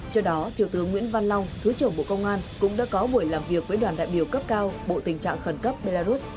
trước đó thiếu tướng nguyễn văn long thứ trưởng bộ công an cũng đã có buổi làm việc với đoàn đại biểu cấp cao bộ tình trạng khẩn cấp belarus